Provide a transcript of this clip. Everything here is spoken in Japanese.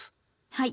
はい。